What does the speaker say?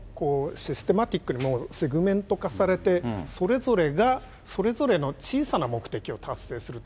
システマティックにセグメント化されて、それぞれがそれぞれの小さな目的を達成すると。